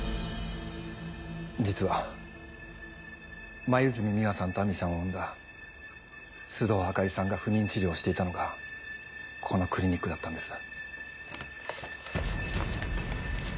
実は黛美羽さんと亜美さんを産んだ須藤あかりさんが不妊治療をしていたのがこのクリニックだったんです。